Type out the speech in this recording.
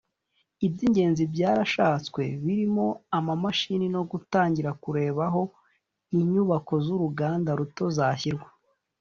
“Iby’ingenzi byarashatswe birimo amamashini no gutangira kureba aho inyubako z’uruganda ruto zashyirwa